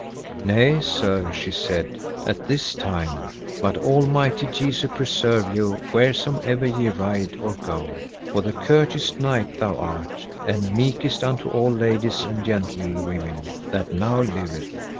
Nay, sir, she said, at this time, but almighty Jesu preserve you wheresomever ye ride or go, for the curteist knight thou art, and meekest unto all ladies and gentlewomen, that now liveth.